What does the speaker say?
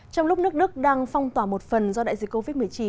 trong lúc nước đức đang phong tỏa một phần do đại dịch covid một mươi chín